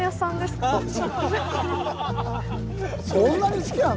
そんなに好きなの？